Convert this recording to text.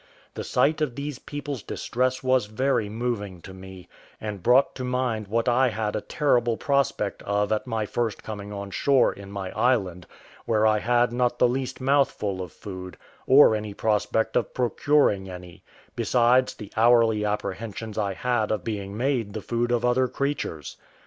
The sight of these people's distress was very moving to me, and brought to mind what I had a terrible prospect of at my first coming on shore in my island, where I had not the least mouthful of food, or any prospect of procuring any; besides the hourly apprehensions I had of being made the food of other creatures.